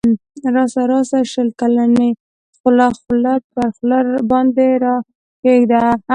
راسه راسه شل کلنی خوله خوله پر خوله باندی راکښېږده